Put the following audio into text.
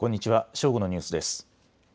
正午のニュースです。